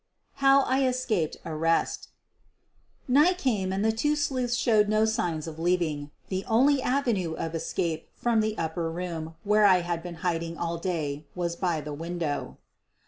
HOW I ESCAPED ARREST Night came and the two sleuths showed no signs of leaving. The only avenue of escape from the upper room where I had been hiding all day was by the window.